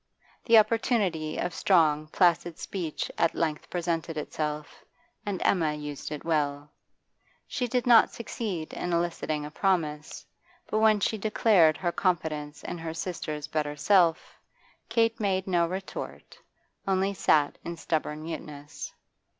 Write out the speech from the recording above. The opportunity of strong, placid speech at length presented itself, and Emma used it well. She did not succeed in eliciting a promise, but when she declared her confidence in her sister's better self, Kate made no retort, only sat in stubborn muteness.